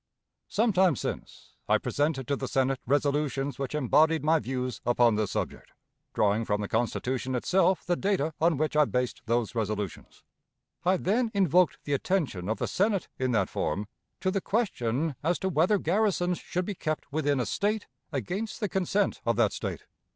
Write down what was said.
Some time since I presented to the Senate resolutions which embodied my views upon this subject, drawing from the Constitution itself the data on which I based those resolutions. I then invoked the attention of the Senate in that form to the question as to whether garrisons should be kept within a State against the consent of that State.